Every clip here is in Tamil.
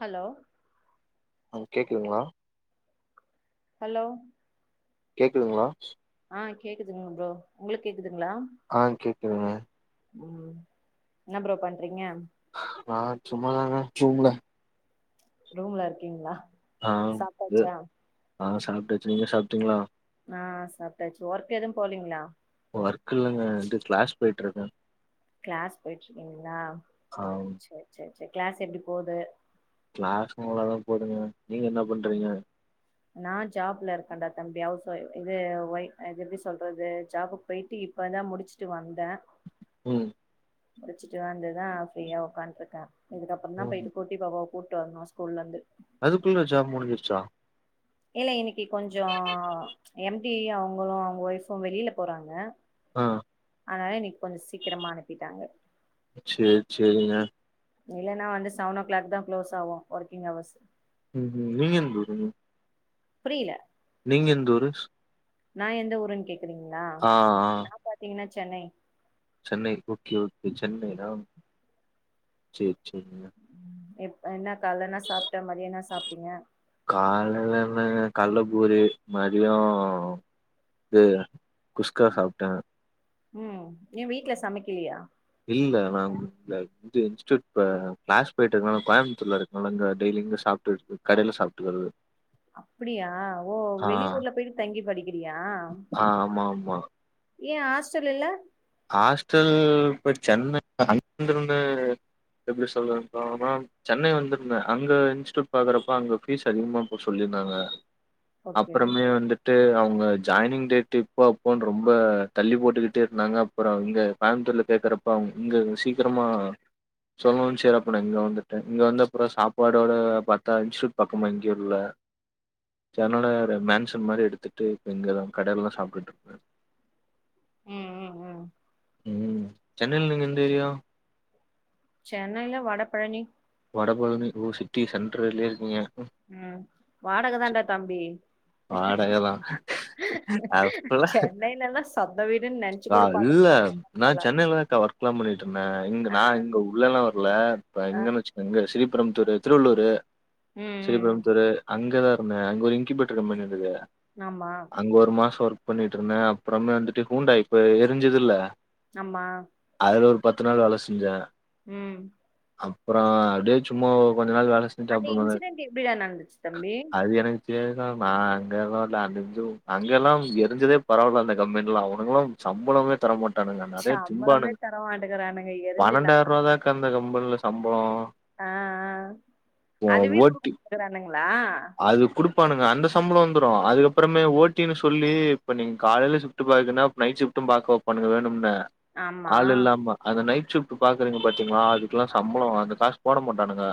ஹலோ அ கேக்குங்களா ஹலோ கேக்குதுங்களா ஆ கேக்குதுங்க ப்ரோ உங்களுக்கு கேக்குதுங்களா ஆஹ் கேக்குதுங்க உம் என்ன ப்ரோ பண்றீங்க ஆஹ் சும்மாதங்க ரூம்ல இருக்கீங்களா ஆஹ் சாப்ட்டாச்சா ஆஹ் சாப்டாட்டுச்சி நீங்க சாப்பிட்டீங்களா ஆஹ் சாப்டாச்சு ஒர்க்கு எதுவும் போலீங்களா ஒர்க்க இல்லங்க இது கிளாஸ் போயிட்டு இருக்கேன் கிளாஸ் போயிட்டு இருக்கீங்களா ஆ சரி சரி கிளாஸ் எப்படி போகுது கிளாஸ்ளாதான் போதுங்க நீங்க என்ன பண்றீங்க நான் ஜாப்ல இருக்கன்டா தம்பி இது இது எப்படி சொல்றது ஜாபுக்கு போயிட்டு இப்பதான் முடிச்சுட்டு வந்தேன் உம் முடிச்சிட்டு வந்துதான் ஃப்ரீயா உட்காந்துகிட்டு இருக்கா இதுக்கப்புறம் தான் ம் போய்விட்டு கூட்டிட்டு வருவா வருமா ஸ்கூல்லல இருந்து அதுக்குள்ள ஜாப் முடிஞ்சிருச்சா இல்ல இன்னைக்கு கொஞ்சம் எம்டி அவங்களும் அவங்க ஓய்பூம் வெளியில போறாங்க ஆஹ் அதனால இன்னைக்கு கொஞ்சம் சீக்கிரமா அனுப்பிட்டாங்க சரி சரிங்க இல்லைன்னா வந்து செவன் ஓ கிளாக் தான் க்ளோஸ் ஆகும் ஒர்க்கிங் அவர்ஸ் உம் உம் நீங்க எந்த ஊர் புரியல நீங்க எந்த ஊரு நான் எந்த ஊருன்ன கேக்கி குறிங்களா ஆ ஆ நான் பாத்தீங்கன்னா சென்னை சென்னை ஓகே ஓகே இந்த சென்னனை ம் நாம் சரி சரிக்கா என்னப் காலை என்னா சாப்பிட்ட மத்தியம் என்ன சாப்பிட்டீங்க காலைல என்னங்க கல்ல பூரி மதியம் இது குஸ்கா சாப்டேன் உம் ஏன் வீட்ல சமைக்கலையா இல்ல நான் இது இன்ஸூட் கிளாஸ் போயிட்டு இருக்கனால கோயம்புத்தூர்ல இருக்கனால இங்க டெய்லி இங்க சாப்பிட்டு இருக்கு கடையில சாப்ட்டுகரது அப்படியா ஓ வெளி ஊர்ல போயிட்டு தங்கி படிக்கிறியா ஆ ஆமா ஆமா ஏன் ஹாஸ்டல் இல்ல ஹாஸ்டல் இப்ப சென்ன அங்கிருந்து எப்டி சொல்றது [unintelligible] சென்னை வந்துருந்த அங்க இன்ஸ்ட்யூட் பாக்குறப்ப அங்க பீஸ் அதிகமா இப்ப சொல்லியிருந்தாங்க ஓகே அப்பறமே வந்துட்டு அவங்க ஜாயினிங் டேட் இப்போ அப்போன்னு ரொம்ப தள்ளி போட்டுக்கிட்டே இருந்தாங்க அப்பறம் இங்க கோயம்த்தூர்ல கேட்கறப்ப அவங்க இங்க சீக்கிரமா சொல்லணும் செறப்ப நான் இங்க வந்துட்டேன் இங்க வந்தப்பறம் சாப்பாடோட பார்த்தா இன்ஸ்டூட் பக்கமா எங்கேயும் இல்ல சேர் அதுனால ஒரு மேன்சன் மாரி எடுத்துட்டு இப்போ இங்கதான் கடையில்ல தான் சாப்ட்டுட்டு இருப்பேன் உம் உம் உம் உம் சென்னையில நீங்க எந்த ஏரியா சென்னையில வடப்பழனி வடபழனி ஓ சிட்டி சென்டர்லயே இருக்கீங்க உம் வாடகை தான்டா தம்பி வாடகை தான். சென்னையில எல்லாம் ஆஹ் இல்ல போல நான் சென்னையில தான்க்கா ஓர்க் எல்லாம் பண்ணிட்டு ட்ருந்தேன் இங்க ஆ நா இங்க உள்ளலாம் வரல இப்ப ஆ இங்க வச்சுங்க இங்க சிரி பெரும்புதூரு திருவள்ளூரு ம் ம் ம் ஸ்ரீபெரும்புதூரு அங்கதா [unintelligible] அங்க ஒரு இங்கிபேட்ரு கம்பெனி இருந்துது ஆமா அங்க ஒரு மாசம் ஒர்க் பண்ணிட்டு இருந்தே அப்றம வந்துட்டு ஹூண்டா இப்ப எரிஞ்சது இல்ல ஆமா பத்து நாள் வேல செஞ்சே உம் அப்றோ அப்டியே சும்மா கொஞ்ச நாள் வேல செஞ்ட்டு அந்த அப்புறமாத இன்சிடென்ட் எப்டிடா நடந்துச்சு தம்பி அது எனக்கு [unintelligible] அங்கல்லா இ எரிஞ்சதே பரவால்ல அந்த கம்பெண்லா ஒ [unintelligible] சம்பளமே தர மாட் சம்பளமே தர மாட்டுக்கிறானுங்க எரிஞ்சுனா இன்னும் அந்த கம்பன்ல சம்பலோ ஆஹ் அதுவே குடுக்க ஓட்டி [unintelligible] றானுங்ளா அது குடுப்பானுங்க அந்த சம்பள வந்றோ அதுக்கப்புரமே ஓட்டினு சொல்லி இப்ப நீங்க காலையில ஷிஃட்டு பாக்றீங்கனா நைட் ஷிப்டும் பாக்க வைப்பானுங்க வேணும்னே ஆமா ஆள் இல்லாமா அந்த நைட் பஸ்ட்ஷிஃட்டு பாக்குறங்க ப [inaudible] அதுக்கெலா சம்பள அந்த காசு போட மாட்டானுங்க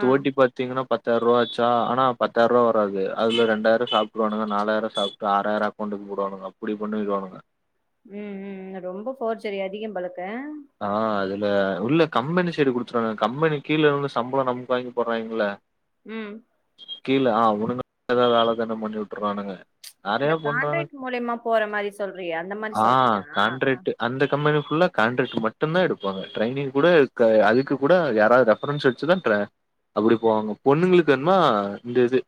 ஆ ஓட்டி பாத்தீங்கனா பத் பத்தாயிரூபாச்சா ஆன பத்தாயிரூபா வராது ஒதுல ரெண்டாயிர சாப்ரூவானுங்க நாலாயிர சாப்டு ஆராயிர அக்கௌண்டுல போடுவானுங்க அப்படி பண்ணிகிவானுங்க உம் உம் ரொம்ப போர் செரி அதிக பலுக்கு ஆஹ் அதுல உள்ளே கம்பெனி சைடு குடுத்துறாங்க கம்பெனி கீல உள்ள சம்பள நமுக்கு வாங்கி போற்றாங்கள்ள உம் கீல ஆ உனங்க [inaudible] வேள தன பண்ணி உட்டுறானுங்க இந்த காண்ரேட் மூலியமா போற மாரி சொல்றியா அந்த மாரி ஆ சொல்றியா கான்ட்ராக்ட் அந்த கம்பெனி ஃபுல்லா காண்ட் [unintelligible] மட்டோதா எடுப்பாங்க ட்ரைனிங் கூட அ அதுக்கு கூட யாராவது ரெஃபரன்ஸ் வச்சுதா அப்டி போவாங்க பொண்ணுங்களுக்குனா இந்த இது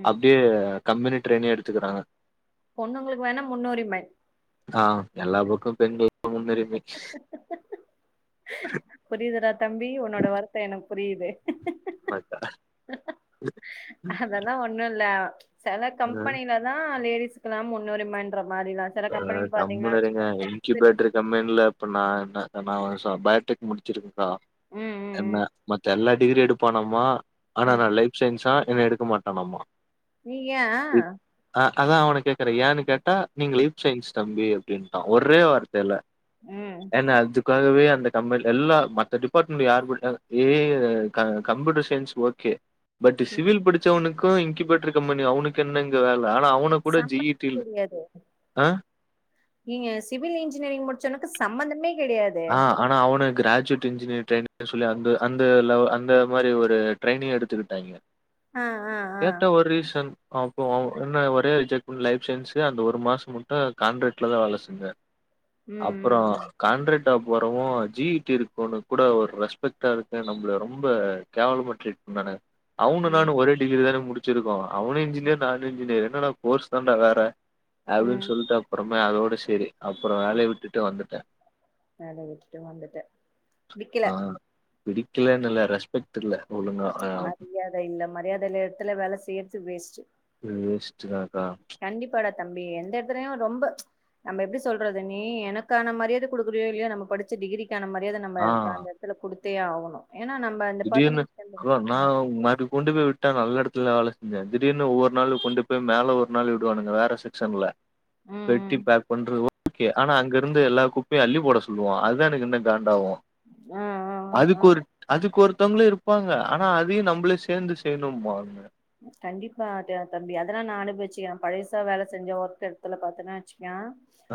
ம் அப்டியே கம்பெனி ட்ரெயினையே எடுத்துக்கறாங்க பொண்ணுங்களுக்கு வேணா முன்னுரிமை பெண் [unintelligible] புரியதரா தம் [unintelligible] உன்னோட வருத்த என புரீயுது மக்கா அதல்லான் ஒண்ணும் இல்ல சில அ கம்பெனில தான் லேடிஸ் லாம் முன்னுரிமை என்ற அஹ கம்முனு இருங்க ரெண்டு இன்க்கி பேர் பேட்டரு கம்பேனில இப்ப நான் என்ன நான் பயோடெக் முடிச்சிருக்கேன் அஹ ம் என்ன ம் மத்த எல்லா டிகிரி எடுப்பான்னாமா ம் ஆனா ம் நா லைப் சயின்ஸா என்ன எடுக்க மாட்டானாம்மா நீங்க யான் அதான் அவனை கேக்குறேன் யானு கேட் டா நீங்கள சின்ஸ் தம்பி அப்படின்னுட்டான் ஒரே வார்த்தை ல்ல ம் ஏன்னா அதுக் காகவே அந்த கம்பெனில எல்லா மத்த டிபார்ட்மெண்ட் யாரு கூடயா ஏய் கம்ப்யூட்டர் சயின்ஸ் ஓர்க்கு பட் ம் சிவில் படிச்சவனுக் கும் இன்குபேட்டர் கம்பெனி அவனுக்கு என்ன இங்க வேலை ஆனா அவனை கூட ஜெயிட்டு சம்மந்தமே இல் கெடையாது நீங்க சிவில் இன்ஜினியரிங் முடிச்சவனுக்கு சம்பந்தமே கிடையாது ஆஹ ஆனா அவுங் போண கிராஜுவேட் இன்ஜினியரி ட்ரைனின்னு சொல்லி அந்தலவ அந்த மாதிரி ஒரு ட்ரைனி் எடுத்துக்கிட்டாங்க ஆ ஆ ஆ கேட்டா ஒரு ரீசன் அப்பறம் என்ன ஒரே ஜமெ்லைப் சயின்ஸ்சு அந்த ஒரு மாசம் மட்டும் கான்ண்ட்ராக்ட்ல தான் வேலை செஞ்சேன் ம் ம் அப்புறம் ம் கான்ரட் டா போறவோ ஜீயிட்டு இருக்கவன்னு கூட ஒரு ரெஸ்பெக்டா இருக்க நம்மள ரொம்ப கேவலமா ட்ரீட் பண்ணானுங்க அவனும் ம் நானும் ஒரே டிகிரி தானே முடி டிச்சிருக்கோம் அவனு இன்ஜினியர் நானும் இன்ஜினியர் என்னடா கோர்ஸ் தாண்டா வேற அப்படின்னு ம் சொல்லிட்டு அப்புறம் அதோடு சரி அப்புறம் வேலையை விட்டுட்டு வந்துட்டேன் வேல விட்டுட்டு வந்துட்டேன் விக்கல பிடிக்கலன்னுல்லா ரெஸ்பெக்ட் இல்ல ஒழுங்கா. அ மரியாதை இல்ல மரியாதையில்ல இடத்துல வேலை செய்ரது வேஸ்ட் வேஸ்ட்டு கண்டிப்பா தம்பி எந்த இடத்துலயும் ரொம்ப நம்ம எப்படி சொல்றது நீ எனக்கான மரியாதை கொடுக்குறோ இல்லையோ நம்ம படிச்ச டிகிரி கான மரியாதை ஆ நம்மளுக்கு அந்தடத்துல கொடுத்து தே ஆகணும் திடீர்னு நான் மாறக் கொண்டு போய் விட்டா நல்ல இடத்து வேல செஞ்சன் திடீர்னு ஒவ்வொரு நாள் கொண்டு போய் மேல ஒரு நாள் விடுவானுங்க வேற செக்சன்ல ம் பெட்டி ம் பேக் பண்ற ஓகே ஆனா அங்க இருந்து எல்லா குப்பையும் அள்ளி போட சொல்லுவான் அதுதான் எனக்கு இன்ன காண்டாகும் ஆஹ் ஆஹ் ஆஹ் ஆஹ் க்கு ஒருத்தவங்களும் இருப்பாங்க ஆனா அதையும் நம்மளே சேர்ந்து செய்யணும் பாங்க கண்டிப்பா தம்பி அதெல்லாம் நான் அனுபவிச்சிக்கேன் பழசா வேலை செஞ்ச ஒர்க் இடத்துல பாத்தேன்னா ங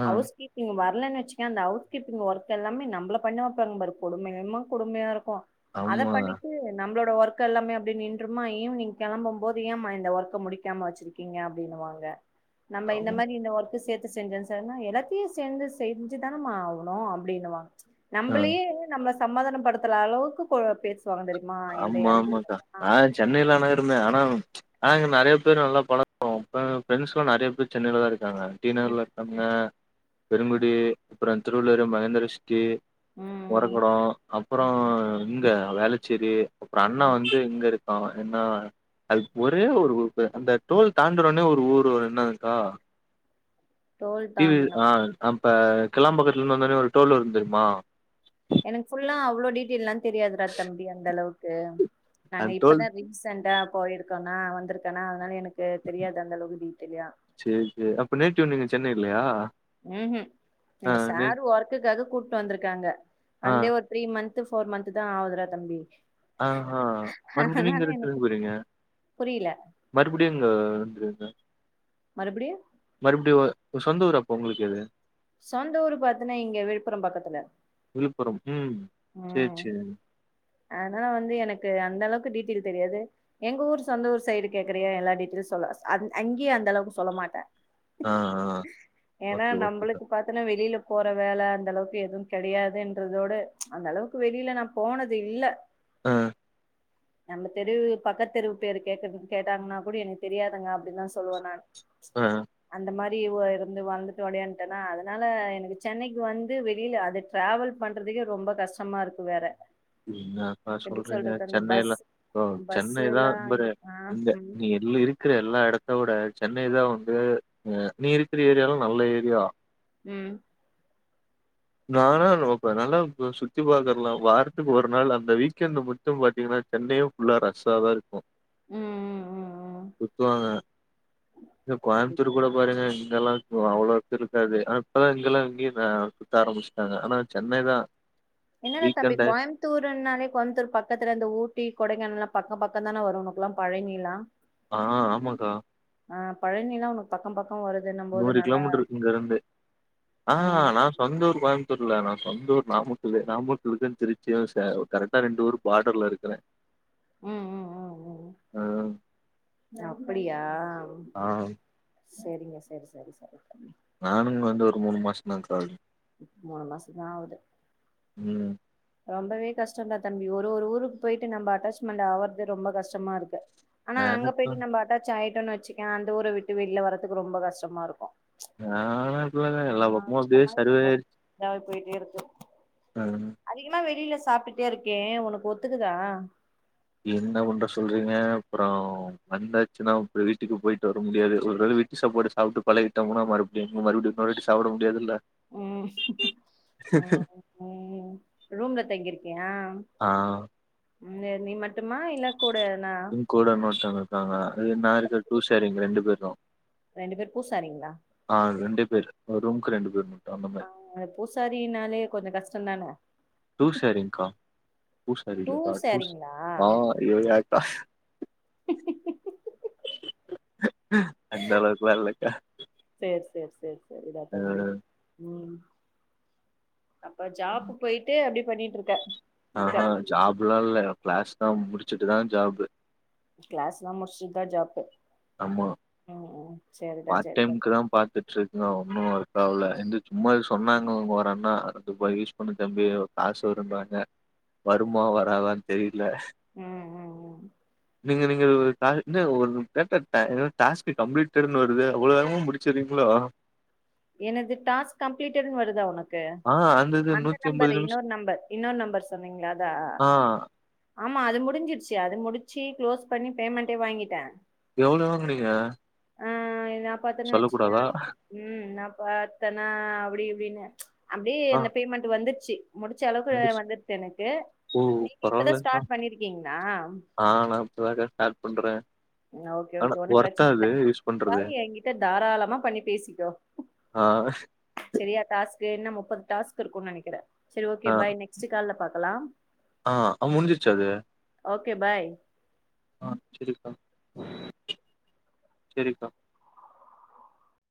ஆ ஹவுஸ் கீப்பிங் வர போனோன்னு வச்சக்க அந்த ஹவுஸ் கீப்பிங் ஒர்க் எல்லமே நம்மள பண்ணவப்பாங்க பாரு கொடுமன கொடுமையா இருக்கும் போ அத ஆமா பண்ணிட்டு நம்மளோட ஒர்க் எல்லாமே அப்படியே நின்றுமா ஈவினிங் கெளம்பும் போது ஏன் இந்த ஒர்க்க முடிக்காம வச்சிருக்கீங்க அப்படின்னு வாங்க நம்ம இந்த ஆமா மாதிரி இந்த ஒரு சேர்த்து செஞ்சே சார்னா எல்லாத்தையும் சேர்ந்து செஞ்சுதானமா ஆகணும் அப்படின்னுவாங்க ஆ நம்மளயே நம்ம சம்மதானம் படுத்தத்துற அளவுக்கு பேச ஆமா ஆமாக்கா நான் சென்னைலான இருந்தென் ஆம் நாங்க நிறைய பேர் நல்லா பலக்கொம் ப்ரெண்ட்ஸ் எலாம் நிறைய பேர் சென்னையில தான் இருக்கு காங்க ம் டீநகர்ல இருக்கங்க பெருங்குடி அப்புறம் திருவள்ளுவர் மகேந்திர ஷ்டீட் ம் உறக்குடம் ம் அப்புறம் ம் இங்க வேலை சரி அப்புறம் அண்ணா ம் வந்து இங்க இருக்கு ஆஹ என்ன அது ஒரே ஒரு அந்த டோல் தாண்டுறனோ ஒரு ஊர் என்னங்க்கா டோல் இ தாண்டுனோ ஆஹ் அ இப்போ கிளலாம்பாக்கத்துலேந்து வந்தானே ஒரு டோல் வருந்த் தெரியுமா எனக்கு புல்ல அவ்ளோ டிடஎல்லாம் தெரியாதுராா தம்பி அந்த அளவுக்கு நாங்க அந்த டோல் இப்பதான் ரீசண்டா கோய இருக்கனா வந்திருக்கேனா அதனால எனக்கு தெரியாது அந்த அளவுக்கு டீட்டெய்லியா சரி சரி அப்ப நேட்டிமவ் நீங்க சென்னை இல்லையா உஹம்ஹம் ஆ நீங்க நே சாரு ஒர்க்குக்காக கூப்ட்டு வந்திருக்காங்க ஆ வந்தே ஒரு த்ரீ மந்த் போர் மந்த் தான் ஆகுதுரா தம்பி ஆஹ்ஹ் மறுபடியும் அதனால நீங்க எனக்கு ரிதேன் போறீங்க புரியல மறுபடியும் ங்க நன்றி மறுபடியு மறுபடிய சொந்த ஊரப்ப உங்களுக்கு எது சொந்த ஊர் பாத்தன்னா இங்க விழுப்புரம் பக்கத்துல விழுப்புரம் ம் சரி ம் சரி அதனால வந்து எனக்கு அந்த அளவுக்கு டீட்டெயில் தெரியாது எங்க ஊர் சொந்த ஊர் சைடு கேக்குறா எல்லா டீட்டெயில் சொல்ல அங்கேயே அந்த அளவுக்கு சொல்ல மாட்டேன் ஆ ஆ ஏன்னா ஓகே ஓகே நம்மளுக்கு சார் பத்தன்னா வெளியில போற வேல அந்த அளவுக்கு எதுவும் கிடையாதுன்றதோட அந்த அளவுக்கு வெளில நான் போனது இல்ல ஆஹம் நம்ம தெருவு பக்க தெருவு பேர் கே கேட்டாங்கன்னா கூட எனக்கு தெரியாதங்க அப்டின்னுதான் சொல்லுவேன் நான் ஆஹ் அந்த மாரி இருந்து வந்து அதனால எனக்கு சென்னைக்கு வந்து வெளிய அது டிராவல் பண்றதுக்கு ரொம்ப கஷ்டமா இருக்கு வேற அப்பா எப்டி சொல்றீங்க சொல்றது அந்த சென்னையில பஸ் பஸ் சென்னைதான் எல்லா இது ஆ இந்த ம் நீ எல்ல இருக்கிற எல்லா இடத்த விட சென்னைதான் வந்துஹ நீஇருக்குற ஏரியாலும் நல்ல ஏரியா உம் நானா நல்லா சுத்தி பாக்கறலாம் வாரத்துக்கு ஒரு நாள் அந்த வீக்கெண்ட் மட்டும் பாத்தீங்கன்னா சென்னையும் ஃபுல்லா ரஷ்ஸா தான் இருக்கு ம் ம் ம் ம் சுத்துவாங்க இ புரியுது. கோயமுத்தூர் கூட பாருங்க இங்கல்லாம் அவ்ளோ இருக்காது அப்பதான் இங்கல்லாம் இங்கய ஆரம்பிச்சுட்டாங்க ஆனா சென்னைதான் எங்கான தம்பி கோயம்பத்தூர்னாலே கோயம்புத்தூர் பக்கத்துல இந்த ஊட்டி கொடைகானல்லாம் பக்கம் பக்கம் தானே வரும் உனக்குெல்லாம் பழநி லாம் ஆஹ் ஆமாக்கா ஆஹ் பழனி லாம் உனக்கு பக்கம் பக்கம் வருதுன்னும் போது நூறு நல்லா கிலோமீட்டர் இங்க இருந்து ஆஹ் ம் நான் சொந்த ஊர் நான் சொந்த ஊர் நாமக்கல் நாமக்கலக்கும்ன்னு திருச்சியும் கரெக்டா ரெண்டு ஊர் பாடர்ல இருக்கிறேன் உம் உம் உம் உம் ஆ. அப்படியா ஆ. செரிங்க சரி சரி சரி நானும் வந்து ஒரு மூணு மாசம்தான் கா ஆகுது இப்ப மூணு மாசந்த ஆகுது உம் ரொம்பவே கஷ்டம் தான் தம்பி ஒரு ஒரு ஊருக்கு போயிட்டு நம்ம அட்டாச்மெண்ட் ஆகுறது ரொம்ப கஷ்டமா இருக்கு ஆனா அங்க எனக்கும் போயிட்டு நம்மட்டா அட்டாச்சி வச்சிக்கேன் அந்த ஊரை விட்டு வெளியில வர்றதுக்கு ரொம்ப கஷ்டமா இருக்கும் நான் அப்படிலாம் இல்லங்கா எல்லா பக்கமும் அந்த அபச மாரி ரொம்ப ரொ சரியாயிருச்சு இதாவே உஹம் ஆ வெளியில சாப்பிட்டுட்டே இருக்கேன் உனக்கு ஒத்துக்குதா என்ன பண்ற சொல்றீங்க அப்புறம் வந்தாச்சுன்னா இப்ப வீட்டுக்கு போயிட்டு வர முடியாது ஒருவேளை வீட்டு சாப்பாடுட்டு சாப்பிட்டு பழகிட்டோம்ன்னா மறுபடியும் எங்க மறுபடியும் மறுபாடி சாப்பிட முடியதுல்ல உம் உம் உம் ரூம்ல தங்கிருக்கியியா ஆ. உம் நீ மட்டுமா இல்ல கூட நா இ கூட இன்னோருத்தவங்க இருக்காங்க அது நான் இருக்க டூ சார் எங்க ரெண்டு பேரும் ரெண்டு பேர் பூசாரீங்களா பேர் ஒரு ரூம்க்கு ரெண்டு பேரும் ஆஹ் அ பூசாரினாலே கொஞ்சம் கஷ்டம்தானே டூ பூசாரிலக்கா ஆஹ் டுத் சாரீங்களா நா இல்ல இக்கா அந்த அளவுக்குல இல்லைக்கா சரி சரிதா தம்பி உம் அப்ப ஜாப்பு போய்ட்டு அப்படி பண்ணிட்டு இருக்கேன் ஆஹ்ஹ் ஜாப்லல்ல க்ளாஸ் தான் முடி சிட்டுதான் ஜாப் கிளாஸ் எல்லாம் முடிச்சுதான் ஜாப்பு ஆமா ம் ம் சேரிடா பார்ட் சேரிடா டைம்கு தம்பி. தான் பாத்துட்டு இருக் ஒன்னும் ஒர்க்காவல எது சும்மா அது சொன்னாங்க இங்க ஒரு அண்ணா யூஸ் பண்ண தம்பி காசு வருனாங்க வருமா வராதான்னு தெரியி இல்ல ம் ம் ம் [unintelligible] கிருனு வருது அவ்ளோ வேகமா முடிச்சிருறீங்ளோ எனது டாஸ் கம்ப்ளீட்டடு வருதா உனக்கு ஆ இது அந்த நூத்தி நம்பர் எம்பது நிமிஷ இன்னொரு நம்பர் இன்னொரு நம்பர் சொன்னீங்கள அதா ஆ ஆமா அது முடிஞ்சிருச்சு அது முடிச்சி க்ளோஸ் பண்ணி பேமெண்டே வாங்கிட்டே எவ்ளோ வாங்குனிங்க ஆஹ் நான் பாத்தேன்னே வச்சக்கேன் உம் ந ப்ப அத்தனா அப்படி இப்படின்னு அப்படியே ஆ அந்த பேமெண்ட் வந்து ச்சி முடிச்ச அளவுக்கு வந்துருச்சு எனக்கு ஓ! நீங்க இப்பதான் பரவால்லக்கா. ஸ்டார்ட் பண்ணிருக்கீங்ளா ஆ நான் இப்பதாக்கா ஸ்டார்ட் பண்றேன். ஓகே ஆனா ஓகே ஒண்ணும் ஒர்த்தா பிரச்சன இல்ல அது யூஸ் பண்றது? ஏதாவது என்கிட்ட தாராளமா பண்ணி பேசிக்கோ ஆ, சரியா டாஸ்க் க்கு இன்னும் முப்பது டாஸ்க் இருக்குனு நெனைக்கிறேன் ஆஹ் ஆஹ் அ முஞ்சிச்சது ஓகே பாய் ஆஹ் சேரிக்கா சேரிக்கா